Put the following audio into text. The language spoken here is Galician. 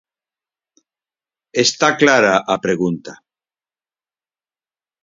Está clara a pregunta.